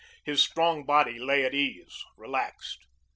His strong body lay at ease, relaxed.